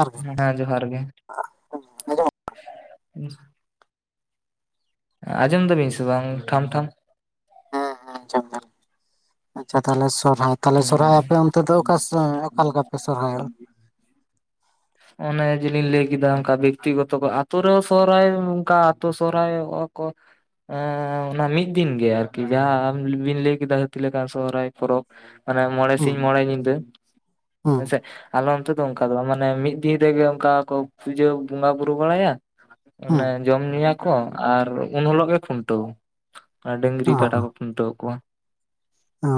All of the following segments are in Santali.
ᱟᱨ [unintelligible] ᱦᱮᱸ ᱡᱚᱦᱟᱨ ᱜᱮ ᱟᱸᱡᱚᱢᱚᱜ ᱟᱸᱡᱚᱢ ᱫᱟᱵᱤᱱ ᱥᱮ ᱵᱟᱝ ᱴᱷᱟᱢ ᱴᱷᱟᱢ ᱦᱮᱸ ᱦᱮᱸ ᱟᱪᱪᱷᱟ ᱛᱟᱦᱞᱮ ᱥᱚᱦᱨᱟᱭ ᱛᱟᱦᱞᱮ ᱥᱚᱨᱦᱟᱭ ᱠᱚ ᱚᱱᱛᱮ ᱫᱚ ᱚᱠᱟ ᱚᱠᱟ ᱞᱮᱠᱟ ᱯᱮ ᱥᱚᱨᱦᱟᱭ ᱚᱜᱼᱟ ᱚᱱᱮ ᱡᱤᱞᱤᱧ ᱞᱟᱹᱭ ᱠᱮᱫᱟ ᱚᱱᱠᱟ ᱵᱮᱠᱛᱤᱜᱚᱛᱚ ᱟᱛᱳ ᱨᱮ ᱥᱚᱦᱨᱟᱭ ᱚᱱᱠᱟ ᱟᱛᱳ ᱥᱚᱦᱨᱟᱭ ᱠᱚ ᱚᱱᱟ ᱢᱤᱫ ᱫᱤᱱᱜ ᱜᱮ ᱟᱨᱠᱤ ᱡᱟᱦᱟᱸ ᱟᱵᱤᱱ ᱞᱟᱹᱭ ᱠᱮᱫᱟ ᱦᱟᱹᱛᱤ ᱞᱮᱠᱟᱱ ᱥᱚᱦᱨᱟᱭ ᱯᱚᱨᱚᱵᱽ ᱚᱱᱮ ᱢᱚᱬᱮ ᱦᱩᱸ ᱥᱤᱧ ᱢᱚᱬᱮ ᱧᱤᱫᱟᱹ ᱦᱩᱸ ᱦᱮᱸᱥᱮ ᱟᱞᱮ ᱚᱱᱛᱮ ᱫᱚ ᱚᱱᱠᱟ ᱫᱚ ᱢᱟᱱᱮ ᱢᱤᱫ ᱫᱤᱱ ᱨᱮᱜᱮ ᱚᱱᱠᱟ ᱠᱚ ᱯᱩᱡᱟᱹ ᱵᱚᱸᱜᱟ ᱵᱩᱨᱩ ᱵᱟᱲᱟᱭᱟ ᱚᱱᱮ ᱡᱚᱢ ᱧᱩᱭᱟᱠᱚ ᱟᱨ ᱩᱱ ᱦᱤᱞᱚᱜ ᱜᱮ ᱠᱷᱩᱱᱴᱟᱹᱣ ᱟᱨ ᱰᱟᱹᱝᱨᱤ ᱠᱟᱰᱟ ᱦᱩᱸ ᱠᱚ ᱠᱷᱩᱱᱴᱟᱹᱣ ᱠᱚᱣᱟ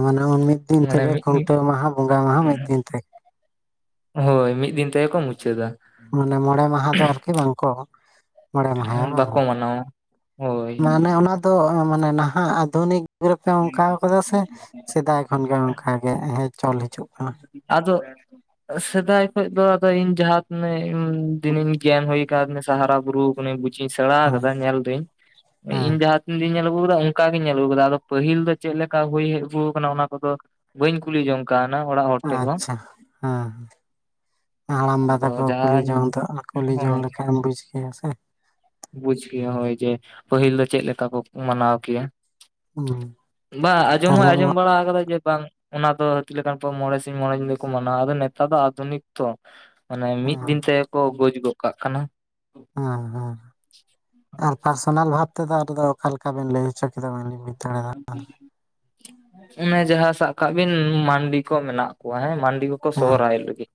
ᱢᱟᱱᱮ ᱢᱤᱫ ᱫᱤᱱ ᱢᱟᱱᱮ ᱛᱮᱠᱮ ᱢᱤᱫ ᱢᱤᱫ ᱠᱷᱩᱱᱴᱟᱹᱣ ᱢᱟᱦᱟ ᱵᱚᱸᱜᱟ ᱢᱟᱦᱟ ᱢᱤᱫ ᱫᱤᱱ ᱛᱮ ᱾ ᱦᱳᱭ ᱢᱤᱫ ᱫᱤᱱ ᱛᱟᱭᱚᱢ ᱠᱚ ᱢᱩᱪᱟᱹᱫᱟ ᱾ ᱢᱟᱱᱮ ᱢᱚᱬᱮ ᱢᱟᱦᱟ ᱫᱚ ᱟᱨᱠᱤ ᱵᱟᱝᱠᱚ ᱢᱚᱬᱮ ᱢᱟᱦᱟᱭᱟ ᱵᱟᱝ ᱵᱟᱠᱚ ᱢᱟᱱᱟᱣᱟ ᱦᱳᱭ ᱢᱟᱱᱮ ᱚᱱᱟ ᱫᱚ ᱢᱟᱱᱮ ᱱᱟᱦᱟᱜ ᱟᱫᱷᱩᱱᱤᱠ ᱜ ᱨᱮᱯᱮ [unintelligible] ᱚᱱᱠᱟ ᱠᱟᱫᱟ ᱥᱮ ᱥᱮᱫᱟᱭ ᱠᱷᱚᱱᱜ ᱚᱱᱠᱟ ᱜᱮ ᱦᱮᱸ ᱪᱚᱞ ᱦᱤᱡᱩᱜ ᱠᱟᱱᱟ ᱾ ᱟᱫᱚ ᱥᱮᱫᱟᱭ ᱠᱷᱚᱱ ᱫᱚ ᱟᱫᱚ ᱤᱧ ᱡᱟᱦᱟᱸᱛᱤᱱᱟᱹᱜ ᱫᱤᱱᱤᱧ ᱜᱮᱭᱟᱱ ᱦᱩᱭ ᱟᱠᱟᱫᱤᱧ ᱥᱮ ᱦᱟᱨᱟ ᱵᱩᱨᱩ ᱚᱱᱮ ᱵᱩᱡᱤᱧ ᱥᱮᱬᱟ ᱦᱮᱸ ᱟᱠᱟᱫᱟ ᱧᱮᱞ ᱫᱟᱹᱧ ᱦᱮᱸ ᱤᱧ ᱡᱟᱦᱟᱸ ᱛᱤᱱᱜᱤᱧ ᱧᱮᱞ ᱟᱹᱜᱩ ᱟᱠᱟᱫᱟ ᱚᱱᱠᱟᱜᱤᱧ ᱧᱮᱞ ᱟᱹᱜᱩ ᱟᱠᱟᱫᱟ ᱟᱫᱚ ᱯᱟᱹᱦᱤᱞ ᱫᱚ ᱪᱮᱫ ᱞᱮᱠᱟ ᱦᱩᱭ ᱦᱮᱡ ᱟᱹᱜᱩ ᱟᱠᱟᱱᱟ ᱚᱱᱟ ᱠᱚᱫᱚ ᱵᱟᱹᱧ ᱠᱩᱞᱤ ᱡᱚᱝ [unintelligible] ᱚᱲᱟᱜ ᱦᱚᱲ ᱴᱷᱮᱡ ᱦᱚᱸ ᱟᱪᱪᱷᱟ ᱦᱮᱸ ᱦᱮᱸ ᱦᱟᱲᱟᱢᱵᱟ ᱟᱫᱚ ᱛᱟᱠᱚ ᱠᱩᱞᱤ ᱡᱟᱦᱟᱸᱧ ᱡᱚᱝ ᱫᱚ ᱠᱩᱞᱤ ᱡᱚᱝ ᱞᱮᱠᱷᱟᱡ ᱮᱢ ᱵᱩᱡ ᱠᱮᱭᱟ ᱥᱮ ᱵᱩᱡ ᱠᱮᱭᱟ ᱦᱳᱭ ᱡᱮ ᱯᱟᱹᱦᱤᱞ ᱫᱚ ᱪᱮᱫ ᱞᱮᱠᱟ ᱠᱚ ᱢᱟᱱᱟᱣ ᱠᱮᱭᱟ? ᱦᱩᱸ ᱵᱟᱝ ᱟᱸᱡᱚᱢ ᱦᱚᱸ ᱛᱟᱦᱚᱞᱮ ᱟᱸᱡᱚᱢ ᱵᱟᱲᱟ ᱠᱟᱫᱟ ᱡᱮ ᱵᱟᱝ ᱚᱱᱟ ᱫᱚ ᱦᱟᱹᱛᱤ ᱞᱮᱠᱟᱱ ᱠᱚ ᱢᱚᱬᱮ ᱥᱤᱧ ᱢᱚᱬᱮ ᱧᱤᱫᱟᱹ ᱠᱚ ᱢᱟᱱᱟᱣᱟ ᱮᱫᱟ ᱱᱮᱛᱟᱨ ᱫᱚ ᱟᱫᱷᱩᱱᱤᱠ ᱛᱚ ᱢᱟᱱᱮ ᱢᱤᱫ ᱫᱤᱱ ᱦᱮᱸ ᱛᱮᱠᱚ ᱜᱚᱡ ᱜᱚᱜ ᱠᱟᱜ ᱠᱟᱱᱟ ᱾ ᱦᱮᱸ ᱦᱮᱸ ᱺ ᱟᱨ ᱯᱟᱨᱥᱚᱱᱟᱞ ᱵᱷᱟᱵ ᱱᱤᱛᱚ ᱫᱚ ᱟᱨ ᱫᱚ ᱚᱠᱟ ᱞᱮᱠᱟᱠᱟᱵᱱ ᱞᱟᱹᱭ ᱦᱚᱪᱚ ᱠᱮᱫᱟ ᱵᱟᱹᱞᱤᱧ ᱵᱩᱡ ᱫᱟᱲᱮᱭᱟᱫᱟ ᱾ ᱚᱱᱮ ᱡᱟᱦᱟᱸ ᱥᱟᱵ ᱠᱟᱜ ᱵᱤᱱ ᱢᱟᱱᱰᱤ ᱠᱚ ᱢᱮᱱᱟᱜ ᱠᱚᱣᱟ ᱦᱮᱸ ᱢᱟᱱᱰᱤ ᱠᱚ ᱾ ᱠᱚ ᱦᱮᱸ ᱥᱚᱦᱨᱟᱭᱳ ᱞᱟᱜᱤᱫ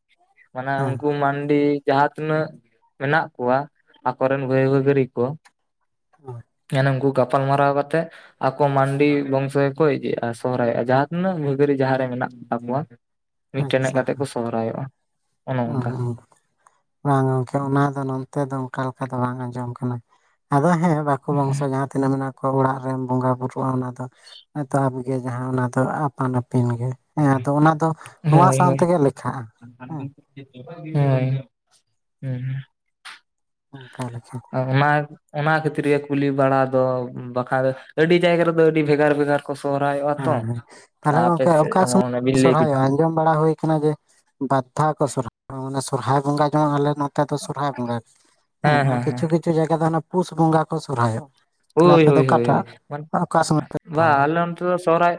ᱢᱟᱱᱮ ᱦᱮᱸ ᱩᱱᱠᱩ ᱢᱟᱱᱰᱤ ᱡᱟᱦᱟᱸ ᱛᱤᱱᱟᱹᱜ ᱢᱮᱱᱟᱜ ᱠᱚᱣᱟ ᱟᱠᱚᱨᱮᱱ ᱵᱟᱹᱭ ᱵᱟᱹᱜᱟᱹᱨᱤ ᱠᱚ ᱦᱮᱸ [unintelligible] ᱦᱮᱸ ᱱᱩᱝᱠᱩ [unintelligible] ᱜᱟᱯᱟᱞᱢᱟᱨᱟᱣ ᱠᱟᱛᱮ ᱟᱠᱚ ᱢᱟᱱᱰᱤ ᱵᱚᱝᱥᱚ ᱜᱮ ᱠᱚ ᱤᱫᱤᱜᱼᱟ ᱥᱚᱦᱨᱟᱭᱚᱜᱼᱟ ᱡᱟᱦᱟᱸ ᱛᱤᱱᱟᱹᱜ ᱵᱷᱟᱹᱜᱟᱹᱨᱤ ᱡᱟᱦᱟᱸᱨᱮ ᱢᱮᱱᱟᱜ ᱛᱟ ᱠᱚᱣᱟ ᱾ ᱦᱮᱸ ᱢᱤᱫᱴᱮᱱ ᱦᱮᱡ ᱟᱪᱪᱷᱟ ᱠᱟᱛᱮ ᱠᱚ ᱥᱚᱦᱨᱟᱭᱚᱜᱼᱟ ᱾ ᱵᱟᱝ ᱜᱚᱢᱠᱮ ᱚᱱᱟ ᱫᱚ ᱚ ᱚᱱᱠᱟ ᱞᱮᱠᱟ ᱫᱚ ᱵᱟᱝ ᱟᱸᱡᱚᱢ ᱠᱟᱱᱟ ᱟᱫᱚ ᱦᱮᱸ ᱟᱠᱚ ᱵᱚᱝᱥᱚ ᱡᱟᱦᱟᱸ ᱛᱤᱱᱟᱹᱜ ᱢᱮᱱᱟᱜ ᱠᱚᱣᱟ ᱚᱲᱟᱜ ᱨᱮᱱ ᱵᱚᱸᱜᱟ ᱵᱩᱨᱩᱜᱼᱟ ᱚᱱᱟᱫᱚ ᱮᱛᱚᱦᱚᱵ ᱜᱮ ᱡᱟᱦᱟᱸ ᱚᱱᱟ ᱫᱚ ᱟᱯᱟᱱ ᱟᱹᱯᱤᱱ ᱜᱮ ᱦᱮᱸ ᱟᱫᱚ ᱚᱱᱟ ᱫᱚ ᱱᱚᱣᱟ ᱥᱟᱶ ᱛᱮᱜᱮ ᱞᱮᱠᱷᱟᱜᱼᱟ ᱾ ᱦᱮᱸ ᱦᱮᱸ ᱾ [unintelligible] ᱚᱝᱠᱟ ᱞᱮᱠᱷᱟᱱ ᱚᱱᱟ ᱚᱱᱟ ᱠᱷᱟᱹᱛᱤᱨ ᱜᱮ ᱠᱩᱞᱤ ᱵᱟᱲᱟ ᱫᱚ ᱵᱟᱠᱷᱟᱱ ᱫᱚ ᱟᱹᱰᱤ ᱡᱟᱭᱜᱟ ᱨᱮᱫᱚ ᱟᱹᱰᱤ ᱵᱷᱮᱜᱟᱨ ᱵᱷᱮᱜᱟᱨ ᱠᱚ ᱥᱚᱦᱨᱟᱭᱚᱜᱼᱟ ᱛᱚ ᱦᱮᱸ ᱦᱮᱸ ᱟᱯᱮ ᱥᱮᱫ ᱵᱤᱱ ᱞᱟᱹᱭ ᱠᱮᱫᱟ ᱾ ᱟᱸᱚᱢ ᱵᱟᱲᱟ ᱦᱩᱭ ᱟᱠᱟᱱᱟ ᱡᱮ ᱵᱟᱫᱽᱫᱷᱟ ᱠᱚ ᱥᱚᱨ ᱢᱟᱱᱮ ᱥᱚᱨᱦᱟᱭ ᱵᱚᱸᱜᱟ ᱡᱮᱢᱚᱱ ᱟᱞᱮ ᱱᱮᱛᱟᱨ ᱫᱚ ᱥᱚᱨᱦᱟᱭ ᱵᱚᱸᱜᱟ ᱦᱮᱸ ᱟᱨ ᱠᱤᱪᱷᱩ ᱠᱤᱪᱷᱩ ᱡᱟᱭᱜᱟ ᱫᱚ ᱯᱩᱥ ᱵᱚᱸᱜᱟ ᱠᱚ ᱥᱚᱨᱦᱟᱭᱚᱜᱼᱟ ᱾ ᱳᱭ ᱦᱳᱭ ᱦᱳᱭ ᱦᱳᱭ ᱢᱟ ᱥᱚᱢᱚᱭ ᱯᱮ ᱵᱟᱝ ᱥᱚᱨᱦᱟᱭᱚᱜᱼᱟ ᱟᱞᱮ ᱱᱚᱛᱮ ᱫᱚ ᱥᱟᱨᱦᱟᱣ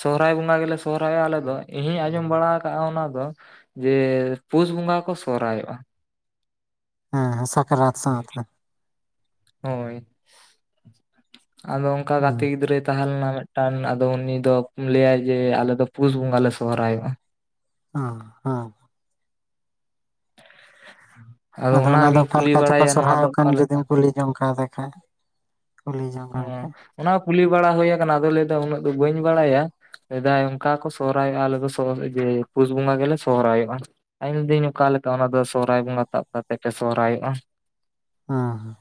ᱥᱚᱦᱚᱨᱟᱭ ᱵᱚᱸᱜᱟ ᱜᱮ ᱞᱮ ᱥᱚᱦᱚᱨᱟᱭᱚᱜᱟ ᱟᱞᱮ ᱫᱚ ᱤᱧ ᱦᱚᱧ ᱟᱸᱡᱚᱢ ᱵᱟᱲᱟ ᱟᱠᱟᱜᱼᱟ ᱚᱱᱟ ᱫᱚ ᱾ ᱡᱮ ᱯᱩᱥ ᱵᱚᱸᱜᱟ ᱠᱚ ᱥᱚᱦᱨᱟᱭᱚᱜᱼᱟ ᱾ ᱦᱮᱸ ᱦᱮᱸ ᱥᱟᱠᱨᱟᱛ ᱥᱟᱶᱛᱮ ᱾ ᱦᱳᱭ ᱾ ᱟᱫᱚ ᱚᱱᱠᱟ ᱦᱩᱸ ᱜᱟᱛᱮ ᱜᱤᱫᱽᱨᱟᱹᱭ ᱛᱟᱦᱮᱸ ᱞᱮᱱᱟ ᱢᱤᱫᱴᱮᱱ ᱾ ᱟᱫᱚ ᱩᱱᱤ ᱫᱚ ᱞᱟᱹᱭᱟ ᱡᱮ ᱟᱞᱮ ᱫᱚ ᱯᱩᱥ ᱵᱚᱸᱜᱟ ᱞᱮ ᱥᱚᱦᱨᱟᱭᱚᱜᱼᱟ ᱾ ᱚ ᱦᱟᱸ ᱟᱫᱚ ᱚᱱᱟ ᱫᱚ ᱚᱱᱟᱜᱤᱧ ᱚᱠᱟ ᱠᱩᱞᱤ ᱞᱮᱠᱟ ᱪᱚᱠᱚ ᱵᱟᱲᱟᱭᱟ ᱱᱚᱣᱟ ᱫᱚ ᱥᱚᱨᱦᱟᱭᱚᱜ ᱠᱟᱱ ᱚᱠᱟᱞᱮᱠᱟ? ᱡᱩᱫᱤᱢ ᱠᱩᱞᱤ ᱡᱚᱝ ᱠᱟ ᱫᱮ ᱠᱷᱟᱡ ᱾ ᱦᱩᱸ ᱾ ᱚᱱᱟ ᱦᱚᱸ ᱠᱩᱞᱤ ᱵᱟᱲᱟ ᱦᱩᱭ ᱟᱠᱟᱱᱟ ᱟᱫᱚᱭ ᱞᱟᱹᱭᱫᱟ ᱩᱱᱟᱹᱜ ᱫᱚ ᱵᱟᱹᱧ ᱵᱟᱲᱟᱭᱟ ᱾ ᱥᱮᱫᱟᱭ ᱚᱱᱠᱟ ᱠᱚ ᱥᱚᱦᱨᱟᱭᱚᱜᱼᱟ ᱟᱞᱮ ᱫᱚ ᱡᱮ ᱯᱩᱥ ᱵᱚᱸᱜᱟ ᱜᱮ ᱞᱮ ᱥᱚᱦᱨᱟᱭᱚᱜᱼᱟ ᱾ ᱤᱧ ᱫᱟᱹᱧ ᱚᱠᱟ ᱞᱮᱠᱟ ᱚᱱᱟ ᱫᱚ ᱥᱚᱦᱨᱟᱭ ᱵᱚᱸᱜᱟ ᱛᱟᱵ ᱠᱟᱛᱮᱫ ᱯᱮ ᱥᱚᱦᱚᱨᱟᱭᱚᱜᱼᱟ ᱾ ᱦᱮᱸ ᱾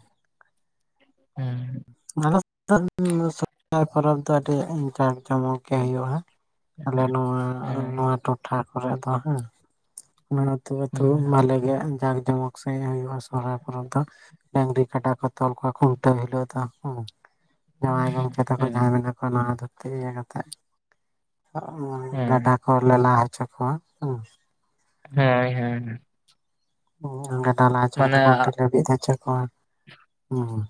ᱦᱮᱸ ᱟᱞᱮ ᱥᱚᱨᱚᱦᱟᱭ ᱯᱚᱨᱚᱵᱽ ᱫᱚ ᱟᱹᱰᱤ ᱴᱟ ᱡᱚᱢᱚᱠ ᱴᱤᱠᱟᱹ ᱦᱩᱭᱩᱜᱼᱟ ᱟᱞᱮ ᱱᱚᱣᱟ ᱦᱳᱭ ᱱᱚᱣᱟ ᱴᱚᱴᱷᱟ ᱠᱚᱨᱮᱜ ᱫᱚ ᱦᱮ ᱚᱱᱟ ᱛᱮᱜᱮ ᱵᱷᱟᱞᱮ ᱜᱮ ᱡᱟᱠ ᱡᱚᱢᱚᱠ ᱥᱮᱡ ᱦᱩᱭᱩᱜᱼᱟ ᱥᱚᱨᱦᱟᱭ ᱯᱚᱨᱚᱵᱽ ᱫᱚ ᱰᱟᱝᱨᱤ ᱠᱟᱰᱟ ᱠᱚ ᱛᱚᱞ ᱠᱚᱣᱟ ᱠᱷᱩᱱᱴᱟᱹᱣ ᱦᱤᱞᱳᱜ ᱛᱟᱦᱩᱸ ᱡᱟᱶᱟᱭ ᱜᱚᱢᱠᱮ ᱛᱟᱠᱚ ᱡᱟᱦᱟᱸᱭ ᱢᱮᱱᱟᱜ ᱠᱚᱣᱟ ᱱᱟᱣᱟ ᱫᱷᱩᱛᱤ ᱤᱭᱟᱹ ᱠᱟᱛᱮ ᱜᱟᱰᱟ ᱠᱚᱞᱮ ᱞᱟ ᱦᱚᱪᱚ ᱠᱚᱣᱟ ᱦᱮᱸ ᱦᱮᱸ ᱦᱮᱸ ᱦᱮᱸ ᱦᱮ ᱰᱟᱞᱟ ᱦᱚᱪᱚ ᱠᱟᱛᱮ ᱜᱩᱱᱴᱤ ᱞᱮᱵᱤᱫ ᱦᱚᱪᱚ ᱠᱚᱣᱟ ᱦᱮᱸ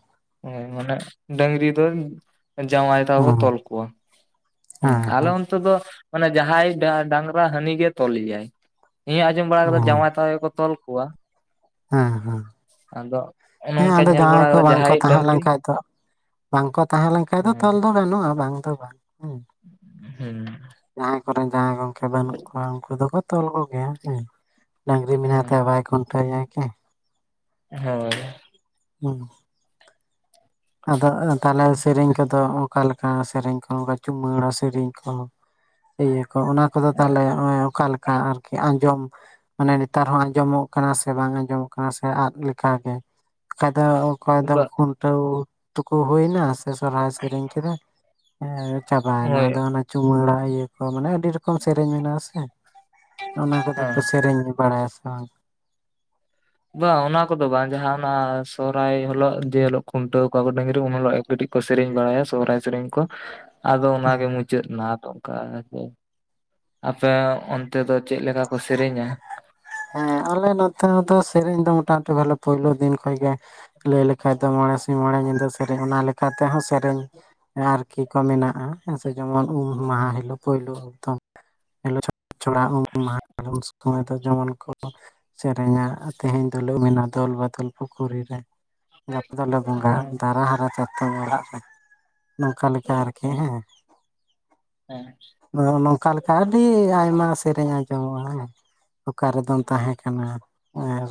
ᱢᱟᱱᱮ ᱰᱟᱝᱨᱤ ᱫᱚ ᱡᱟᱶᱟᱭ ᱦᱮᱸ ᱛᱟᱠᱚ ᱠᱚ ᱦᱮᱸ ᱦᱮᱸ ᱛᱚᱞ ᱠᱚᱣᱟ ᱦᱮᱸ ᱟᱞᱮ ᱚᱱᱛᱮ ᱫᱚ ᱢᱮ ᱡᱟᱦᱟᱸᱭ ᱰᱟᱝᱨᱟ ᱦᱟᱹᱱᱤ ᱜᱮ ᱛᱚᱞ ᱮᱭᱟᱭ ᱤᱧ ᱟᱸᱡᱚᱢ ᱵᱟᱲᱟ ᱠᱟᱫᱟ ᱡᱟᱶᱟᱭ ᱛᱟᱠᱚ ᱜᱮᱠᱚ ᱛᱚᱞ ᱠᱚᱣᱟ ᱾ ᱦᱮᱸ ᱦᱮᱸ ᱚᱱᱮ ᱦᱮᱸ ᱚᱱᱠᱟᱧ ᱟᱫᱚ ᱧᱮᱞ ᱵᱟᱲᱟ ᱡᱟᱦᱟᱸᱭ ᱠᱚ ᱠᱟᱫᱟ ᱵᱟᱝᱠᱚ ᱡᱟᱦᱟᱸᱭᱤᱡ ᱛᱟᱦᱮᱸ ᱰᱟᱹᱝᱨᱤ ᱞᱮᱱ ᱠᱷᱟᱡ ᱫᱚ ᱵᱟᱝ ᱠᱚ ᱛᱟᱦᱮᱸ ᱞᱮᱱᱠᱷᱟᱱᱡ ᱫᱚ ᱦᱩᱸ ᱛᱚᱞ ᱫᱚ ᱵᱟᱹᱱᱩᱜᱼᱟ ᱵᱟᱝ ᱫᱚ ᱵᱟᱝ ᱦᱮᱸ ᱡᱟᱦᱟᱸᱭ ᱠᱚᱨᱮᱱ ᱡᱟᱶᱟᱸᱭ ᱜᱚᱝᱠᱮ ᱵᱟᱹᱱᱩᱜ ᱠᱚᱣᱟ ᱩᱱᱠᱩ ᱫᱚᱠᱚ ᱛᱚᱞ ᱠᱚᱜᱮᱭᱟ ᱦᱮ ᱰᱟᱝᱨᱤ ᱢᱮᱱᱟᱭ ᱛᱟᱭ ᱦᱩᱸ ᱵᱟᱭ ᱠᱷᱩᱱᱴᱟᱹᱣᱭᱟ ᱦᱮ ᱦᱮᱸ ᱟᱫᱚ ᱛᱟᱦᱚᱞᱮ ᱥᱮᱨᱮᱧ ᱠᱚᱫᱚ ᱚᱠᱟ ᱞᱮᱠᱟ ᱥᱮᱨᱮᱧ ᱠᱚ ᱪᱩᱢᱟᱹᱲᱟ ᱥᱮᱨᱮᱧ ᱠᱚᱦᱚᱸ ᱤᱭᱟᱹ ᱠᱚ ᱚᱱᱟ ᱠᱚᱫᱚ ᱛᱟᱦᱚᱞᱮ ᱚᱠᱟ ᱞᱮᱠᱟ ᱟᱨᱠᱤ ᱟᱸᱡᱚᱢ ᱢᱟᱱᱮ ᱱᱮᱛᱟᱨ ᱦᱚᱸ ᱟᱸᱡᱚᱢᱚᱜ ᱠᱟᱱᱟ ᱥᱮ ᱵᱟᱝ ᱟᱸᱡᱚᱢᱚᱜ ᱠᱟᱱᱟ ᱥᱮ ᱟᱫ ᱞᱮᱠᱟ ᱜᱮ ᱫᱚ ᱚᱠᱚᱭ ᱫᱚ ᱵᱟ ᱠᱷᱩᱱᱴᱟᱹᱣ ᱛᱩᱠᱚ ᱦᱳᱭᱱᱟ ᱥᱮ ᱥᱚᱨᱦᱟᱭ ᱥᱮᱨᱮᱧ ᱠᱮᱫᱟ ᱦᱮᱸ ᱪᱟᱵᱟᱭᱮᱱᱟ ᱦᱳᱭ ᱟᱫᱚ ᱚᱱᱟ ᱪᱩᱢᱟᱹᱲᱟ ᱤᱭᱟᱹ ᱠᱚ ᱢᱟᱱᱮ ᱟᱹᱰᱤ ᱨᱚᱠᱚᱢ ᱥᱮᱨᱮᱧ ᱢᱮᱱᱟᱜ-ᱟ ᱥᱮ ᱚᱱᱟ ᱠᱚᱫᱚ ᱦᱮᱸ ᱠᱚ ᱥᱮᱨᱮᱧ ᱜᱮ ᱵᱟᱲᱟᱭᱟ ᱥᱮ ᱵᱟᱝ ᱵᱟᱝ ᱚᱱᱟ ᱠᱚᱫᱚ ᱵᱟᱝ ᱡᱟᱦᱟ ᱚᱱᱟ ᱥᱚᱦᱚᱨᱟᱭ ᱦᱤᱞᱳᱜ ᱡᱮ ᱦᱤᱞᱳᱜ ᱠᱷᱩᱱᱴᱟᱹᱣ ᱠᱚᱣᱟ ᱠᱚ ᱰᱟᱝᱨᱤ ᱩᱱ ᱦᱤᱞᱳᱜ ᱮ ᱠᱟᱹᱴᱤᱡ ᱠᱚ ᱥᱮᱨᱮᱧ ᱵᱟᱲᱟᱭᱟ ᱥᱚᱦᱨᱟᱭ ᱥᱮᱨᱮᱧ ᱠᱚ [unintelligible] ᱟᱫᱚ ᱚᱱᱟ ᱦᱩᱸ ᱜᱮ ᱢᱩ ᱢᱩᱪᱟᱹᱫ ᱨᱮᱱᱟᱜ ᱚᱠᱟ ᱟᱯᱮ ᱚᱱᱛᱮ ᱫᱚ ᱪᱮᱫ ᱞᱮᱠᱟ ᱠᱚ ᱥᱮᱨᱮᱧᱟ ᱦᱮᱸ ᱟᱞᱮ ᱱᱚᱛᱮ ᱫᱚ ᱥᱮᱨᱮᱧ ᱫᱚ ᱢᱚᱴᱟᱢᱩᱴᱤ ᱵᱚᱞᱮ ᱯᱳᱭᱞᱳ ᱫᱤᱱ ᱠᱷᱚᱱᱚᱡ ᱜᱮ ᱞᱟᱹᱭ ᱞᱮᱠᱷᱟᱡ ᱫᱚ ᱢᱚᱬᱮ ᱥᱤᱧ ᱢᱚᱬᱮ ᱧᱤᱫᱟᱹ ᱥᱮᱨᱮᱧ ᱚᱱᱟ ᱞᱮᱠᱟ ᱛᱮᱦᱚᱸ ᱥᱮᱨᱮᱧ ᱟᱨᱠᱤ ᱠᱚ ᱢᱮᱱᱟᱜᱼᱟᱸ ᱡᱮᱢᱚᱱ ᱩᱢ ᱢᱟᱦᱟ ᱦᱤᱞᱳᱜ ᱯᱳᱭᱞᱳ ᱫᱚᱢ ᱪᱷᱚᱲᱟ ᱩᱢ ᱢᱟᱦᱟ ᱥᱚᱢᱚᱭ ᱫᱚ ᱡᱮᱢᱚᱱ ᱠᱚ ᱥᱮᱨᱮᱧᱟ ᱛᱮᱦᱮᱧ ᱫᱚᱞᱮ ᱩᱢ ᱮᱱᱟ ᱢᱮ ᱫᱚᱞ ᱵᱟᱫᱚᱞ ᱯᱩᱠᱷᱩᱨᱤ ᱨᱮ ᱜᱟᱯᱟ ᱫᱚᱞᱮ ᱵᱚᱸᱜᱟᱜ ᱦᱮᱸ ᱫᱟᱨᱟ ᱦᱟᱨᱟ ᱪᱟᱛᱚᱢ ᱚᱲᱟᱜ ᱨᱮ ᱱᱚᱝᱠᱟ ᱞᱮᱠᱟ ᱟᱨᱠᱤ ᱦᱮᱸ ᱦᱮᱸ [unintelligible] ᱱᱚᱝᱠᱟ ᱞᱮᱠᱟ ᱟᱹᱰᱤ ᱟᱭᱢᱟ ᱥᱮᱨᱮᱧ ᱟᱸᱡᱚᱢᱚᱜᱼᱟ ᱦᱮᱸ ᱚᱠᱟ ᱨᱮᱫᱚᱱ ᱛᱟᱦᱮᱸ ᱠᱟᱱᱟ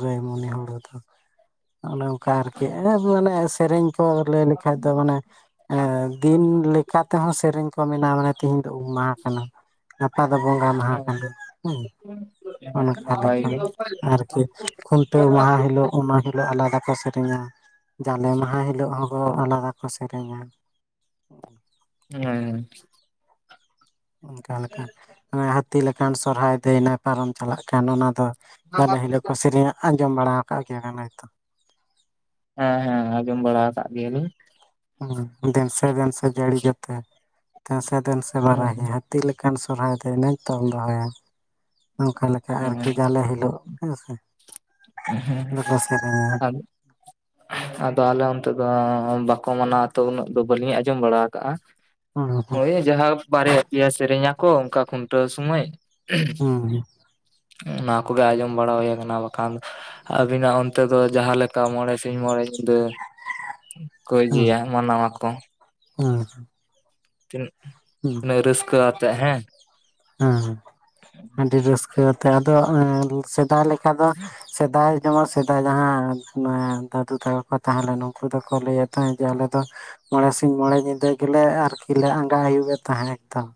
ᱨᱟᱹᱭᱢᱚᱱᱤ ᱦᱩᱲᱩ ᱫᱚ ᱚᱱᱮ ᱚᱱᱠᱟ ᱟᱨᱠᱤ ᱢᱟᱱᱮ ᱥᱮᱨᱮᱧ ᱠᱚ ᱞᱟᱹᱭ ᱞᱮᱠᱷᱟᱡ ᱫᱚ ᱢᱟᱱᱮ ᱦᱮᱸᱫᱤᱱ ᱞᱮᱠᱟ ᱛᱮᱦᱚᱸ ᱥᱮᱨᱮᱧ ᱠᱚ ᱢᱮᱱᱟᱣ ᱢᱟᱱᱮ ᱛᱤᱦᱤᱧ ᱫᱚ ᱩᱢ ᱢᱟᱦᱟ ᱠᱟᱱᱟ ᱜᱟᱯᱟ ᱫᱚ ᱵᱚᱸᱜᱟ ᱢᱟᱦᱟ ᱦᱮᱸ ᱠᱟᱱᱟ [unintelligible] ᱚᱱᱠᱟ ᱱᱟᱯᱟᱭ ᱞᱮᱠᱟ ᱜᱮ ᱟᱨᱠᱤ ᱠᱷᱩᱱᱴᱟᱹᱣ ᱢᱟᱦᱟ ᱦᱤᱞᱳᱜ ᱩᱢ ᱢᱟᱦᱟ ᱦᱤᱞᱳᱜ ᱟᱞᱟᱫᱟ ᱠᱚ ᱥᱮᱨᱮᱧᱟ ᱡᱟᱞᱮ ᱢᱟᱦᱟ ᱦᱤᱞᱳᱜ ᱦᱚᱸ ᱟᱞᱟᱫᱟ ᱠᱚ ᱥᱮᱨᱮᱧᱟ ᱦᱮᱸ ᱚᱱᱠᱟ ᱞᱮᱠᱟ ᱦᱟᱹᱛᱤ ᱞᱮᱠᱟᱱ ᱥᱚᱨᱦᱟᱭ ᱫᱟᱹᱭᱱᱟᱭ ᱯᱟᱨᱚᱢ ᱪᱟᱞᱟᱜ ᱠᱟᱱ ᱚᱱᱟ ᱫᱚ ᱡᱟᱞᱮ ᱦᱤᱞᱳᱜ ᱠᱚ ᱥᱮᱨᱮᱧ ᱟᱸᱡᱚᱢ ᱵᱟᱲᱟ ᱟᱠᱟᱫ ᱜᱮᱭᱟ ᱵᱮᱱ ᱦᱚᱭ ᱛᱚ ᱦᱮᱸ ᱦᱮᱸ ᱟᱸᱡᱚᱢ ᱵᱟᱲᱟ ᱟᱠᱟᱫ ᱜᱮᱭᱟᱞᱤᱧ ᱫᱮᱱ ᱥᱮ ᱫᱮᱱ ᱥᱮ ᱡᱟᱹᱲᱤ ᱡᱚᱛᱮ ᱫᱮᱱ ᱥᱮ ᱫᱮᱱ ᱥᱮ ᱦᱩᱸ ᱵᱟᱨᱦᱤ ᱦᱟᱹᱛᱤ ᱞᱮᱠᱟᱱ ᱥᱚᱨᱦᱟᱭ ᱫᱟᱸᱭ ᱱᱟ ᱛᱚᱞ ᱫᱚᱦᱚᱭᱟ ᱱᱚᱝᱠᱟ ᱞᱮᱠᱟ ᱦᱩᱸ ᱟᱨᱠᱤ ᱡᱟᱞᱮ ᱦᱤᱞᱳᱜ ᱦᱮᱸ ᱥᱮ ᱦᱩᱸ ᱥᱮᱨᱮᱧᱟ [unintelligible] ᱟᱫᱚ ᱟᱞᱮ ᱚᱱᱛᱮ ᱫᱚ ᱵᱟᱠᱚ ᱢᱟᱱᱟᱣ ᱛᱚ ᱩᱱᱟᱹᱜ ᱫᱚ ᱵᱟᱹᱞᱤᱧ ᱟᱸᱡᱚᱢ ᱵᱟᱲᱟ ᱟᱠᱟᱜ-ᱟ᱾ ᱦᱳᱭ ᱡᱟᱦᱟᱸ ᱵᱟᱨᱭᱟ ᱯᱮᱭᱟ ᱥᱮᱨᱮᱧ ᱟᱠᱚ ᱚᱱᱠᱟ ᱠᱷᱩᱱᱴᱟᱹᱣ ᱥᱚᱢᱚᱭ, ᱦᱩᱸ ᱦᱩᱸ ᱚᱱᱟ ᱠᱚᱜᱮ ᱟᱸᱡᱚᱢ ᱵᱟᱲᱟ ᱦᱩᱭ ᱟᱠᱟᱱᱟ ᱵᱟᱠᱷᱟᱱ ᱟᱹᱵᱤ ᱱᱟᱜ ᱚᱱ ᱚᱱᱛᱮ ᱫᱚ ᱡᱟᱦᱟᱸ ᱞᱮᱠᱟ ᱢᱚᱬᱮ ᱥᱤᱧ ᱢᱚᱬᱮ ᱧᱤᱫᱟᱹ ᱠᱚ ᱤᱫᱤᱭᱟ ᱢᱟᱱᱟᱣᱟᱠᱚ ᱦᱩᱸ ᱛᱤᱱᱟᱹ [inaudible] ᱨᱟᱹᱥᱠᱟᱹ ᱟᱛᱮᱜ ᱦᱮᱸ ᱦᱮᱸ ᱟᱹᱰᱤ ᱨᱟᱹᱥᱠᱟᱹ ᱟᱛᱮ ᱟᱫᱚ ᱥᱮᱫᱟᱭ ᱞᱮᱠᱟ ᱫᱚ ᱥᱮᱫᱟᱭ ᱡᱮᱢᱚᱱ ᱥᱮᱫᱟᱭ ᱡᱟᱦᱟᱸ ᱫᱟᱫᱩ ᱛᱟᱠᱚ ᱠᱚ ᱛᱟᱦᱮᱸ ᱞᱮᱱ ᱩᱱᱠᱩ ᱫᱚᱠᱚ ᱞᱟᱹᱭᱮᱫ ᱛᱟᱦᱮᱸᱫ ᱡᱮ ᱟᱞᱮ ᱫᱚ ᱢᱚᱬᱮ ᱥᱤᱧ ᱢᱚᱬᱮ ᱧᱤᱫᱟᱹ ᱜᱤᱞᱮ ᱟᱨᱠᱤ ᱞᱮ ᱟᱸᱜᱟ ᱟᱭᱩᱵᱮᱫ ᱛᱟᱦᱮᱸᱫ ᱮᱠᱫᱚᱢ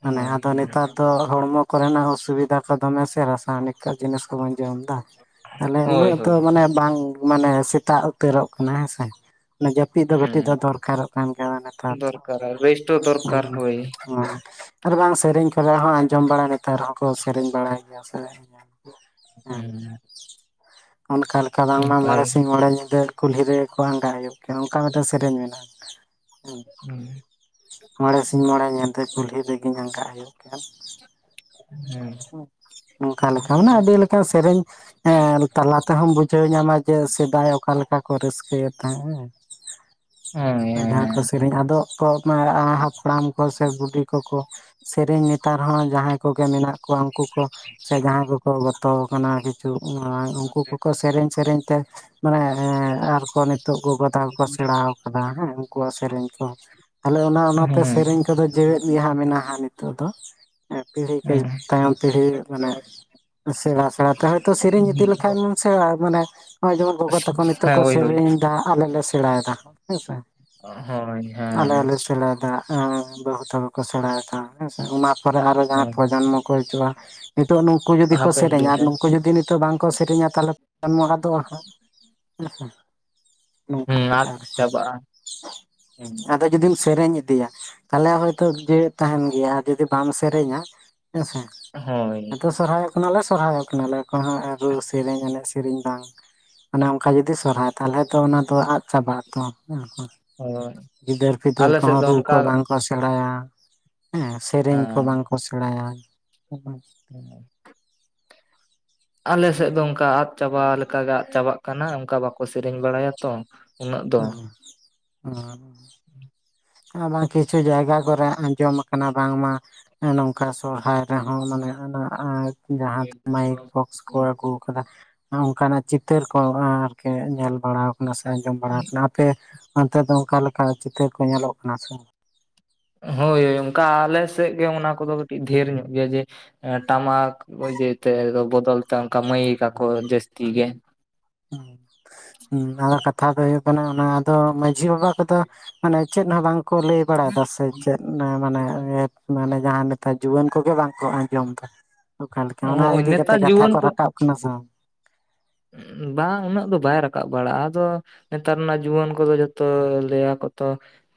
ᱦᱳᱭ ᱦᱩᱸ ᱦᱚ ᱦᱚᱲᱢᱚ ᱠᱚᱨᱮᱱᱟᱜ ᱚᱥᱩᱵᱤᱫᱟ ᱠᱚ ᱫᱚᱢᱮ ᱥᱮ ᱨᱟᱥᱟᱭᱚᱱᱤᱠ ᱡᱤᱱᱤᱥ ᱠᱚᱵᱚᱱ ᱡᱚᱢᱮᱫᱟ ᱛᱟᱦᱚᱞᱮ ᱦᱳᱭ ᱩᱱᱟᱹᱜ ᱦᱳᱭ ᱫᱚ ᱢᱟᱱᱮ ᱵᱟᱝ ᱢᱟᱱᱮ ᱥᱮᱛᱟᱜ ᱩᱛᱟᱹᱨᱚᱜ ᱠᱟᱱᱟ ᱦᱮᱸᱥᱮ ᱡᱚᱛᱚ ᱡᱟᱹᱯᱤᱫ ᱫᱚ ᱠᱟᱹᱴᱤᱡ ᱦᱮᱸ ᱫᱚ ᱫᱚᱨᱠᱟᱨᱚᱜ ᱠᱟᱱ ᱜᱮ ᱱᱮᱛᱟᱨ ᱫᱚ ᱫᱚᱨᱠᱟᱨᱟ ᱨᱮᱥᱴ ᱦᱚᱸ ᱫᱚᱨᱠᱟᱨ ᱦᱮᱸ ᱦᱳᱭ ᱦᱚᱸ ᱟᱨ ᱵᱟᱝ ᱥᱮᱨᱮᱧ ᱠᱚᱨᱮ ᱦᱚᱸ ᱟᱸᱡᱚᱢ ᱵᱟᱲᱟᱭ ᱱᱮᱛᱟᱨ ᱦᱚᱸᱠᱚ ᱥᱮᱨᱮᱧ ᱵᱟᱲᱟᱭ ᱜᱮᱭᱟ ᱥᱮ [unintelligible] ᱚᱱᱠᱟ ᱞᱮᱠᱟ ᱵᱟᱝᱢᱟ ᱯᱟᱭ ᱢᱚᱬᱮ ᱥᱤᱧ ᱢᱚᱬᱮ ᱧᱤᱫᱟᱹ ᱠᱩᱞᱦᱤ ᱨᱮ ᱠᱚ ᱟᱸᱜᱟ ᱟᱹᱭᱩᱜ ᱠᱮᱭᱟ ᱚᱱᱠᱟ ᱢᱤᱫᱴᱮᱱ ᱥᱮᱨᱮᱧ ᱢᱮᱱᱟᱜ-ᱟ [unintelligible] ᱢᱚᱬᱮ ᱥᱤᱧ ᱢᱚᱬᱮ ᱧᱤᱫᱟᱹ ᱠᱩᱞᱦᱤ ᱨᱤᱜᱤᱧ ᱟᱸᱜᱟ ᱟᱹᱭᱩᱜ ᱠᱮᱜ-ᱟ᱾ ᱦᱮᱸ ᱱᱝᱠᱟᱞᱮᱠᱟ ᱢᱟᱱᱮ ᱟᱹᱰᱤᱞᱮᱠᱟᱱ ᱥᱮᱨᱮᱧ ᱛᱟᱞᱟ ᱛᱮᱦᱚᱢ ᱵᱩᱡᱷᱟᱹᱣ ᱧᱟᱢᱟ ᱡᱮ ᱥᱮᱫᱟᱭ ᱚᱠᱟ ᱞᱮᱠᱟ ᱠᱚ ᱨᱟᱹᱥᱠᱟᱹᱭᱮᱫ ᱛᱟᱦᱮᱸ ᱡᱟᱦᱟᱸ ᱠᱚ ᱥᱮᱨᱮᱧ ᱟᱫᱚ ᱠᱚ ᱦᱟᱯᱲᱟᱢ ᱠᱚ ᱥᱮ ᱵᱩᱰᱷᱤ ᱠᱚᱠᱚ ᱥᱮᱨᱮᱧ ᱱᱮᱛᱟᱨ ᱦᱚᱸ ᱡᱟᱦᱟᱸᱭ ᱠᱚᱜᱮ ᱢᱮᱱᱟᱜ ᱠᱚᱣᱟ ᱩᱱᱠᱩ ᱠᱚ ᱥᱮ ᱡᱟᱦᱟᱸᱭ ᱠᱚᱠᱚ ᱜᱚᱛᱚᱣᱟᱠᱟᱱᱟ ᱡᱩᱢᱟᱭ ᱩᱱᱠᱩ ᱠᱚᱠᱚ ᱥᱮᱨᱮᱧ ᱥᱮᱨᱮᱧ ᱛᱮ ᱢᱟᱱᱮ ᱮᱸ ᱟᱨᱠᱚ ᱱᱤᱛᱚᱜ ᱠᱚᱜᱚ ᱛᱟ ᱠᱚᱠᱚ ᱥᱮᱬᱟᱣ ᱠᱟᱫᱟ ᱦᱮᱸ ᱩᱱᱠᱩᱣᱟᱜ ᱥᱮᱨᱮᱧ ᱠᱚ ᱛᱟᱦᱚᱞᱮ ᱚᱱᱟ ᱦᱮᱸ ᱚᱱᱟᱛᱮ ᱦᱮᱸ ᱥᱮᱨᱮᱧ ᱠᱚᱫᱚ ᱡᱮᱣᱮᱫ ᱜᱮᱟᱸᱜ ᱢᱮᱱᱟᱜ-ᱟ ᱱᱤᱛᱚᱜ ᱫᱚ ᱯᱤᱲᱦᱤ ᱠᱮ ᱛᱟᱭᱚᱢ ᱯᱤᱲᱦᱤ ᱢᱟᱱᱮ ᱥᱮᱬᱟ ᱥᱮᱬᱟᱛᱮ ᱦᱚᱭᱛᱳ ᱥᱮᱨᱮᱧ ᱤᱫᱤ ᱞᱮᱠᱷᱟᱱ ᱢᱟ ᱥᱮᱬᱟᱭ ᱢᱟᱱᱮ ᱱᱚᱚᱭ ᱡᱮᱢᱚᱱ ᱜᱚᱜᱚ ᱛᱟᱠᱚ ᱱᱤᱛᱚᱜ ᱠᱚ ᱦᱳᱭ ᱦᱳᱭ ᱥᱮᱨᱮᱧ ᱮᱫᱟ ᱟᱞᱮ ᱞᱮ ᱥᱮᱬᱟᱭᱮᱫᱟ, ᱦᱮᱸᱥᱮ ᱦᱳᱭ ᱦᱮᱸ ᱟᱞᱮ ᱞᱮ ᱥᱮᱬᱟᱭᱮᱫᱟ, ᱟ ᱵᱟᱹᱦᱩ ᱛᱟᱠᱚ ᱠᱚ ᱥᱮᱲᱟᱭ ᱫᱟ ᱦᱮᱸ ᱚᱱᱟ ᱯᱚᱨᱮ ᱟᱨᱚ ᱡᱟᱦᱟᱸᱭ ᱯᱨᱚᱡᱚᱱᱢᱚ ᱠᱚ ᱦᱤᱡᱩᱜ-ᱟ᱾ ᱱᱤᱛᱚᱜ ᱱᱩᱝᱠᱩ ᱡᱩᱫᱤ ᱠᱚ ᱦᱟᱯᱮᱱ ᱥᱮᱨᱮᱧᱟ ᱫᱤᱱ ᱟᱨ ᱨᱮ ᱱᱩᱠᱩ ᱡᱩᱫᱤ ᱱᱤᱛᱚᱜ ᱵᱟᱝᱠᱚ ᱥᱮᱨᱮᱧᱟ ᱛᱟᱦᱞᱮ [unintelligible] ᱟᱫᱚᱜ-ᱟ ᱦᱟᱸᱠ ᱱᱚᱝᱠᱟ ᱦᱩᱸ ᱟᱫ ᱟᱨᱠᱤ ᱪᱟᱵᱟᱜᱼᱟ ᱦᱩᱸ ᱡᱩᱫᱤᱢ ᱥᱮᱨᱮᱧ ᱤᱫᱤᱭᱟ ᱛᱟᱦᱚᱞᱮ ᱦᱚᱭᱛᱚ ᱡᱮᱣᱮᱫ ᱛᱟᱦᱮᱱ ᱜᱮᱭᱟ ᱟᱨ ᱡᱩᱫᱤ ᱵᱟᱢ ᱥᱮᱨᱮᱧᱟ ᱦᱮᱸ ᱥᱮ ᱦᱳᱭ ᱥᱚᱨᱦᱟᱭᱚᱜ ᱠᱟᱱᱟᱞᱮ ᱥᱚᱨᱦᱟᱭᱚᱜ ᱠᱟᱱᱟᱞᱮ ᱮᱠᱷᱚᱱ ᱨᱩ ᱥᱮᱨᱮᱧ ᱮᱱᱮᱡ ᱥᱮᱨᱮᱧ ᱵᱟᱝ ᱚᱱᱮ ᱚᱱᱠᱟ ᱡᱩᱫᱤ ᱥᱚᱨᱦᱟᱭ ᱛᱟᱦᱚᱞᱮ ᱛᱚ ᱚᱱᱟ ᱫᱚ ᱟᱫ ᱪᱟᱵᱟᱜ ᱛᱚ ᱦᱳᱭ ᱜᱤᱫᱟᱹᱨ ᱯᱤᱫᱟᱹᱨ ᱟᱞᱮ ᱥᱮᱫ ᱠᱚᱦᱚᱸ ᱫᱚ ᱨᱩ ᱠᱚ ᱚᱱᱠᱟ ᱵᱟᱝ ᱠᱚ ᱥᱮᱬᱟᱭᱟ ᱦᱮᱸ ᱥᱮᱨᱮᱧ ᱠᱚ ᱵᱟᱝ ᱦᱮᱸ ᱠᱚ ᱥᱮᱬᱟᱭᱟ᱾ [inaudible] ᱟᱞᱮᱥᱮᱫ ᱫᱚ ᱚᱱᱠᱟ ᱟᱫ ᱪᱟᱵᱟ ᱞᱮᱠᱟᱜ ᱜᱮ ᱟᱫ ᱪᱟᱵᱟᱜ ᱠᱟᱱᱟ ᱚᱱᱠᱟ ᱵᱟᱠᱚ ᱥᱮᱨᱮᱧ ᱵᱟᱲᱟᱭᱟ ᱛᱚ ᱩᱱᱟᱹᱜ ᱫᱚ ᱚ ᱚ ᱟᱨ ᱵᱟᱝ ᱠᱤᱪᱷᱩ ᱡᱟᱭᱜᱟ ᱠᱚᱨᱮ ᱟᱸᱡᱚᱢ ᱠᱟᱱᱟ ᱵᱟᱝᱢᱟ ᱦᱮᱸ ᱱᱚᱝᱠᱟ ᱥᱚᱨᱚᱦᱟᱭ ᱨᱮᱦᱚᱸ ᱢᱟᱱᱮ ᱚᱱᱟ ᱟᱡ ᱡᱟᱦᱟᱸ ᱫᱚ ᱢᱟᱭᱤᱠ ᱵᱚᱠᱥ ᱠᱚ ᱟᱹᱜᱩ ᱟᱠᱟᱫᱟ ᱚᱱᱠᱟ ᱱᱟᱜ ᱪᱤᱛᱟᱹᱨ ᱠᱚ ᱟᱨ ᱠᱤ ᱧᱮᱞ ᱵᱟᱲᱟ ᱟᱠᱟᱱᱟ ᱥᱮ ᱟᱸᱡᱚᱢ ᱵᱟᱲᱟ ᱟᱠᱟᱱᱟ᱾ ᱟᱯᱮ ᱚᱱᱛᱮ ᱫᱚ ᱚᱱᱠᱟ ᱞᱮᱠᱟ ᱪᱤᱛᱟᱹᱨ ᱠᱚ ᱧᱮᱞᱚᱜ ᱠᱟᱱᱟ ᱥᱮ ᱦᱳᱭ ᱦᱳᱭ ᱚᱱᱠᱟ ᱟᱞᱮ ᱥᱮᱠ ᱜᱮ ᱚᱱᱟ ᱠᱚᱫᱚ ᱠᱟᱹᱴᱤᱡ ᱰᱷᱮᱨ ᱧᱚᱜ ᱜᱮᱭᱟ ᱡᱮ ᱴᱟᱢᱟᱠ ᱡᱮᱛᱮ [inaudible] ᱵᱚᱫᱚᱞ ᱛᱮ ᱚᱱᱠᱟ ᱢᱟᱭᱤᱠ ᱟᱠᱚ ᱡᱟᱹᱥᱛᱤ ᱜᱮ [inaudible] ᱦᱩᱸ ᱟᱫᱚ ᱠᱟᱛᱷᱟ ᱫᱚ ᱦᱳᱭᱳᱜ ᱠᱟᱱᱟ ᱚᱱᱟ᱾ ᱟᱫᱚ ᱢᱟᱺᱡᱷᱤ ᱵᱟᱵᱟ ᱠᱚᱫᱚ ᱢᱟᱱᱮ ᱪᱮᱫ ᱦᱚᱸ ᱵᱟᱝ ᱠᱚ ᱞᱟᱹᱭ ᱵᱟᱲᱟᱭ ᱮᱫᱟ ᱥᱮ ᱪᱮᱫ ᱢᱟᱱᱮ ᱤᱭᱟᱹ [inaudible] ᱢᱟᱱᱮ ᱡᱟᱦᱟᱸ ᱱᱮᱛᱟᱨ ᱡᱩᱣᱟᱹᱱ ᱠᱚᱜᱮ ᱵᱟᱝ ᱠᱚ ᱟᱸᱡᱚᱢ ᱫᱟ᱾ ᱚᱠᱟ ᱞᱮᱠᱟ ᱚᱱᱟ ᱤᱫᱤ ᱠᱟᱛᱮ ᱱᱮᱛᱟᱨ ᱠᱟᱛᱷᱟ ᱡᱩᱣᱟᱹᱱ ᱠᱚ ᱨᱟᱠᱟᱵ ᱠᱟᱱᱟ ᱥᱮ ᱵᱟᱝ᱾ ᱵᱟᱝ ᱩᱱᱟᱹᱜ ᱫᱚ ᱵᱟᱭ ᱨᱟᱠᱟᱵ ᱵᱟᱲᱟᱜᱼᱟ᱾ ᱟᱫᱚ ᱱᱮᱛᱟᱨ ᱨᱮᱱᱟᱜ ᱡᱩᱣᱟᱹᱱ ᱠᱚᱫᱚ ᱡᱚᱛᱚ ᱞᱟᱹᱭᱟᱠᱚᱛᱚ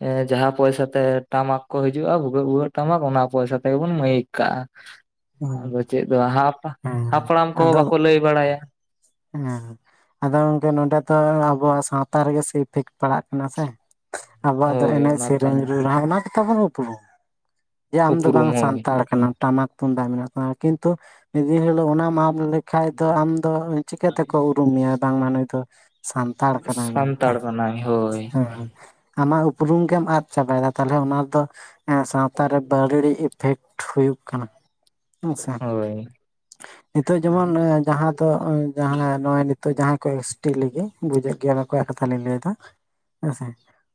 ᱮ ᱡᱟᱦᱟᱸ ᱯᱚᱭᱥᱟ ᱛᱮ ᱴᱟᱢᱟᱠ ᱠᱚ ᱦᱤᱡᱩᱜ-ᱟ ᱵᱷᱩᱜᱟᱹᱜ ᱵᱷᱩᱜᱟᱹᱜ ᱴᱟᱢᱟᱠ ᱚᱱᱟ ᱯᱚᱭᱥᱟ ᱛᱮᱜᱮᱵᱚᱱ ᱢᱟᱹᱭᱤᱠ ᱠᱟᱜ-ᱟ᱾ ᱦᱩᱸ ᱟᱫᱚ ᱪᱮᱫ ᱫᱚ ᱦᱟᱯ, ᱦᱮᱸ ᱦᱟᱯᱲᱟᱢ ᱠᱚᱦᱚᱸ ᱟᱫᱚ ᱵᱟᱠᱚ ᱞᱟᱹᱭ ᱵᱟᱲᱟᱭᱟ᱾ ᱦᱮᱸ ᱟᱫᱚ ᱜᱚᱝᱠᱮ ᱱᱚᱸᱰᱮ ᱫᱚ ᱟᱵᱚᱣᱟᱜ ᱥᱟᱶᱛᱟ ᱨᱮᱜᱮ ᱥᱮ ᱤᱯᱷᱮᱠᱴ ᱯᱟᱲᱟᱜ ᱠᱟᱱᱟ ᱥᱮ᱾ ᱟᱵᱚᱣᱟᱜ ᱫᱚ ᱦᱳᱭ ᱮᱱᱮᱡᱽ ᱚᱱᱟ ᱛᱚ ᱥᱮᱨᱮᱧ ᱦᱮᱸ ᱨᱩ ᱨᱟᱦᱟ ᱚᱱᱟ ᱜᱮ ᱛᱟᱵᱚᱱ ᱩᱯᱨᱩᱢ᱾ ᱡᱮ ᱟᱢ ᱫᱚ ᱩᱯᱨᱩᱢ ᱵᱟᱝ ᱦᱳᱭ ᱥᱟᱱᱛᱟᱲ ᱠᱟᱱᱟᱢ᱾ ᱴᱟᱢᱟᱠ ᱛᱩᱢᱫᱟᱜ ᱢᱮᱱᱟᱜ ᱛᱟᱢᱟ ᱠᱤᱱᱛᱩ ᱢᱤᱫ ᱫᱤᱱ ᱦᱤᱞᱳᱜ ᱚᱱᱟᱢ [inaudible] ᱠᱷᱟᱡ ᱫᱚ᱾ ᱟᱢᱫᱚ ᱪᱤᱠᱟᱹ ᱛᱮᱠᱚ ᱩᱨᱩᱢ ᱢᱮᱭᱟ ᱵᱟᱝ ᱢᱟ ᱱᱩᱭ ᱫᱚ ᱥᱟᱱᱛᱟᱲ ᱠᱟᱱᱟᱭ ᱢᱮᱱᱛᱮ ᱥᱟᱱᱛᱟᱲ ᱠᱟᱱᱟᱭ ᱦᱳᱭ ᱦᱮᱸ ᱟᱢᱟᱜ ᱩᱯᱨᱩᱢ ᱜᱮᱢ ᱟᱫ ᱪᱟᱵᱟᱭ ᱮᱫᱟ ᱛᱟᱦᱚᱞᱮ ᱚᱱᱟ ᱫᱚ ᱮᱸ ᱥᱟᱶᱛᱟ ᱨᱮ ᱵᱟᱹᱲᱟᱹᱲᱤ ᱤᱯᱷᱮᱠᱴ [inaudible] ᱦᱩᱭᱩᱜ ᱠᱟᱱᱟ᱾ ᱦᱮᱸ ᱥᱮᱴ ᱦᱳᱭ ᱱᱤᱛᱚᱜ ᱡᱮᱢᱚᱱ ᱡᱟᱦᱟᱸ ᱫᱚ [unintelligible] ᱱᱚᱜᱼᱚᱭ ᱱᱤᱛᱚᱜ ᱡᱟᱦᱟᱸ ᱠᱚᱭᱥᱴᱤᱜ [inaudible] ᱵᱩᱡ ᱜᱮᱭᱟ ᱚᱠᱚᱭᱟᱜ ᱠᱟᱛᱷᱟ ᱞᱤᱧ ᱞᱟᱹᱭ ᱮᱫᱟ᱾ ᱦᱮᱸ ᱥᱮ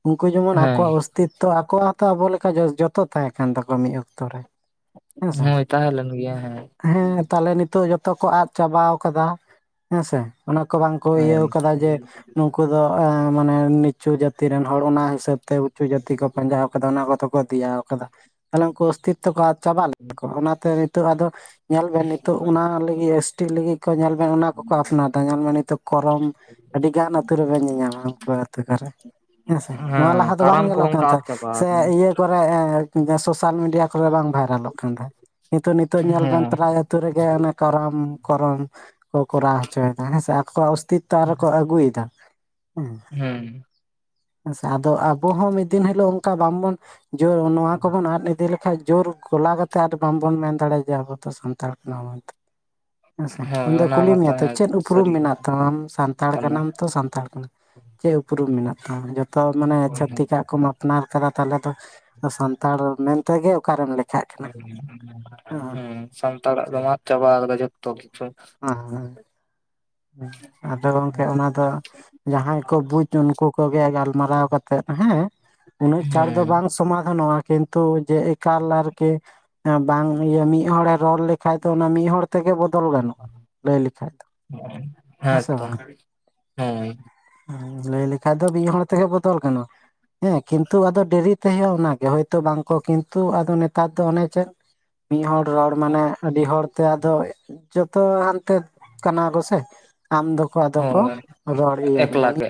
ᱩᱱᱠᱩ ᱡᱮᱢᱚᱱ ᱦᱮᱸ ᱟᱠᱚᱣᱟᱜ ᱚᱥᱛᱤᱛᱛᱚ ᱟᱠᱚ ᱢᱟᱛᱚ ᱟᱵᱚ ᱞᱮᱠᱟ ᱡᱚᱛᱚ ᱛᱟᱦᱮᱸ ᱠᱟᱱ ᱛᱟᱠᱚᱣᱟ ᱢᱤᱫ ᱚᱠᱛᱚ ᱨᱮ ᱦᱮᱸᱥᱮ ᱦᱳᱭ ᱛᱟᱦᱮᱸ ᱞᱮᱱ ᱜᱮᱭᱟ ᱦᱮᱸ ᱦᱮᱸ ᱛᱟᱦᱞᱮ ᱱᱤᱛᱚᱜ ᱡᱚᱛᱚ ᱠᱚ ᱟᱫ ᱪᱟᱵᱟ ᱟᱠᱟᱫᱟ᱾ ᱦᱮᱸ ᱥᱮ ᱚᱱᱟ ᱠᱚ ᱵᱟᱝ ᱠᱚ ᱤᱭᱟᱹ ᱦᱳᱭ ᱠᱟᱫᱟ ᱡᱮ ᱱᱩᱠ ᱩᱱᱠᱩ ᱫᱚ ᱢᱟᱱᱮ ᱱᱤᱪᱩ ᱡᱟᱹᱛᱤ ᱨᱮᱱ ᱦᱚᱲ ᱚᱱᱟ ᱦᱤᱥᱟᱹᱵ ᱩᱪᱩ ᱡᱟᱹᱛᱤ ᱠᱚ ᱯᱟᱸᱡᱟ ᱟᱠᱟᱫᱟ ᱚᱱᱟ ᱠᱚᱫᱚ ᱠᱚ ᱫᱮᱭᱟ ᱟᱠᱟᱫᱟ᱾ ᱛᱟᱦᱞᱮ ᱩᱱᱠᱩ ᱚᱥᱛᱤᱛᱚ ᱱᱤᱛ ᱠᱚ ᱪᱟᱵᱟᱜ ᱞᱮᱫᱟ ᱠᱚ ᱚᱱᱟᱛᱮ ᱱᱤᱛᱚᱜ ᱟᱫᱚ ᱧᱮᱞ ᱵᱮᱱ ᱱᱤᱛᱚᱜ ᱚᱱᱟ ᱞᱟᱹᱜᱤᱫ ᱮᱥ ᱴᱤ ᱞᱟᱹᱜᱤᱫ ᱠᱚ ᱧᱮᱞ ᱢᱮ ᱚᱱᱟ ᱠᱚᱠᱚ ᱟᱯᱱᱟᱨ ᱫᱟ ᱧᱮᱞ ᱢᱮ ᱱᱤᱛᱚ ᱠᱚᱨᱚᱢ ᱟᱹᱰᱤ ᱜᱟᱱ ᱟᱹᱛᱩ ᱨᱮᱵᱮᱱ ᱧᱮᱧᱟᱢ-ᱟ ᱩᱱᱠᱩ ᱟᱹᱛᱩ ᱠᱚᱨᱮ ᱦᱮᱸ ᱥᱮ ᱱᱚᱣᱟ ᱦᱮᱸ ᱞᱟᱦᱟ ᱫᱚ ᱵᱟᱝ ᱠᱟᱨᱟᱢ ᱧᱮᱞᱚᱜ ᱠᱚᱦᱚᱸ ᱠᱟᱱ ᱚᱱᱠᱟ ᱟᱫ ᱛᱟᱦᱮᱸ ᱪᱟᱵᱟ ᱥᱮ ᱟᱠᱟᱱᱟ ᱤᱭᱟᱹ [inaudible] ᱠᱚᱨᱮ [inaudible] ᱥᱳᱥᱟᱞ ᱢᱤᱰᱤᱭᱟ ᱠᱚᱨᱮ ᱵᱟᱝ ᱵᱷᱟᱭᱨᱟᱞᱚᱜ ᱠᱟᱱ ᱛᱟᱦᱮᱸ᱾ ᱱᱤᱛᱚᱜ, ᱱᱤᱛᱚᱜ ᱧᱮᱞ ᱵᱮᱱ ᱦᱮᱸ ᱯᱨᱟᱭ ᱟᱹᱛᱩ ᱨᱮᱜᱮ ᱚᱱᱮ ᱠᱚᱨᱚᱢ, ᱠᱚᱨᱚᱢ᱾ ᱠᱚ ᱠᱚᱨᱟᱣ ᱦᱚᱪᱚᱭ ᱮᱫᱟ ᱦᱮᱸ ᱥᱮ, ᱟᱠᱚᱣᱟᱜ ᱚᱥᱛᱤᱛᱛᱚ ᱟᱨᱦᱚᱸ ᱠᱚ ᱟᱹᱜᱩᱭ ᱮᱫᱟ᱾ ᱦᱮᱸ ᱦᱩᱸ ᱦᱮᱸ ᱥᱮ, ᱟᱫᱚ ᱟᱵᱚ ᱦᱚᱸ ᱢᱤᱫ ᱫᱤᱱ ᱦᱤᱞᱳᱜ ᱚᱱᱠᱟ ᱵᱟᱝ ᱵᱚᱱ ᱡᱳᱨ ᱱᱚᱣᱟ ᱠᱚ ᱵᱚᱱ ᱟᱫ ᱤᱫᱤ ᱞᱮᱠᱷᱟᱡ ᱡᱳᱨ ᱠᱷᱚᱞᱟ [unintelligible] ᱠᱟᱛᱮ ᱟᱨ ᱵᱟᱝ ᱵᱚᱱ ᱢᱮᱱ ᱫᱟᱲᱮᱭᱟᱜᱼᱟ ᱡᱮ ᱟᱵᱚ ᱫᱚ ᱥᱟᱱᱛᱟᱲ ᱠᱟᱱᱟ ᱵᱚᱱ ᱢᱮᱱᱛᱮ, ᱦᱳᱭ ᱦᱮᱸ ᱥᱮ᱾ ᱚᱱᱟ ᱠᱩᱞᱤ ᱢᱮᱭᱟ ᱢᱟᱛᱚ ᱛᱚ, ᱦᱮᱸ ᱪᱮᱫ ᱩᱯᱨᱩᱢ ᱥᱟᱹᱨᱤ ᱢᱮᱱᱟᱜ ᱠᱟᱛᱷᱟ ᱛᱟᱢᱟ ᱟᱢ ᱥᱟᱱᱛᱟᱲ ᱠᱟᱱᱟ ᱠᱟᱱᱟᱢ ᱛᱚ ᱥᱟᱱᱛᱟᱲ ᱠᱟᱱᱟ᱾ ᱪᱮᱫ ᱩᱯᱨᱩᱢ ᱢᱮᱱᱟᱜ ᱛᱟᱢᱟ‌ᱡᱚᱛᱚ ᱢᱟᱱᱮ ᱪᱷᱛᱤᱠᱟᱜ ᱠᱚᱢᱟ ᱟᱯᱱᱟᱨ ᱠᱟᱫᱟ ᱛᱟᱦᱚᱞᱮ ᱫᱚ ᱥᱟᱱᱛᱟᱲ ᱢᱮᱱᱛᱮ ᱜᱮ ᱚᱠᱟᱨᱮᱢ ᱞᱮᱠᱷᱟᱜ ᱠᱟᱱᱟ [inaudible] ᱦᱩᱸ ᱥᱟᱱᱛᱟᱲ-ᱟ ᱫᱚᱢ ᱟᱫ ᱪᱟᱵᱟ ᱟᱠᱟᱫᱟ ᱡᱷᱚᱛᱚ ᱠᱤᱪᱷᱩ ᱾ ᱦᱮᱸ, ᱦᱮᱸ, ᱟᱫᱚ ᱜᱚᱝᱠᱮ ᱚᱱᱟ ᱫᱚ ᱡᱟᱦᱟᱸᱭ ᱵᱩᱡ ᱩᱱᱠᱩ ᱠᱚᱜᱮ ᱜᱟᱞᱢᱟᱨᱟᱣ ᱠᱟᱛᱮ ᱦᱮᱸ, ᱩᱱᱟᱹᱜ ᱪᱷᱟᱬ ᱫᱚ ᱦᱮᱸ ᱵᱟᱝ ᱥᱚᱢᱟᱫᱷᱟᱱᱚᱜᱼᱟ᱾ ᱠᱤᱱᱛᱩ ᱡᱮ ᱮᱠᱟᱞ ᱟᱨ ᱠᱤ ᱵᱟᱝ ᱤᱭᱟᱹ ᱢᱤᱫ ᱦᱚᱲᱮ ᱨᱚᱲ ᱞᱮᱠᱷᱟᱡ ᱫᱚ ᱚᱱᱟ ᱢᱤᱫ ᱦᱚᱲ ᱛᱮᱜᱮ ᱵᱚᱫᱚᱞ ᱜᱟᱱᱚᱜᱼᱟ ᱞᱟᱹᱭ ᱞᱮᱠᱷᱟᱡ ᱫᱚ᱾ ᱦᱮᱸ ᱥᱮ ᱛᱚ, ᱵᱟᱝ ᱦᱮᱸ ᱞᱟᱹᱭ ᱞᱮᱠᱷᱟᱡ ᱫᱚ ᱢᱤᱫ ᱦᱚᱲ ᱛᱮᱜᱮ ᱵᱚᱫᱚᱞ ᱜᱟᱱᱚᱜ-ᱟ᱾ ᱦᱮᱸ ᱠᱤᱱᱛᱩ ᱟᱫᱚ ᱰᱮᱨᱤ ᱛᱮ ᱦᱳᱭᱳᱼᱟ ᱚᱱᱟᱜᱮ ᱦᱳᱭᱛᱳ ᱵᱟᱝᱠᱚ ᱠᱤᱱᱛᱩ ᱟᱫᱚ ᱱᱮᱛᱟᱨ ᱫᱚ ᱚᱱᱮ ᱪᱮᱫ ᱢᱤᱫᱦᱚᱲ ᱨᱚᱲ ᱢᱟᱱᱮ ᱟᱹᱰᱤ ᱦᱚᱲᱛᱮ ᱟᱫᱚ ᱡᱚᱛᱚ ᱦᱟᱱᱛᱮ ᱠᱟᱱᱟ ᱠᱚᱥ ᱟᱢ ᱫᱚᱠᱚ ᱟᱫᱚ ᱠᱚ ᱦᱳᱭ ᱨᱚᱲ ᱤᱭᱟᱹ ᱢᱮᱭᱟ᱾ ᱮᱠᱞᱟ ᱜᱮ